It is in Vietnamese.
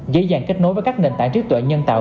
dễ dàng kết nối với các nền tảng trí tuệ nhân tạo